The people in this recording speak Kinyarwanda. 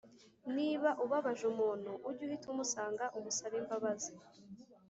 Niba ubabaje umuntu ujye uhita umusanga umusabe imbabazi